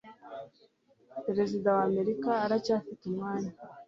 Perezida w’Amerika, aracyafite umwanya